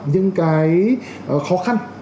những cái khó khăn